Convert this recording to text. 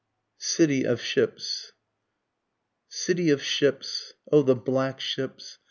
CITY OF SHIPS. City of ships! (O the black ships!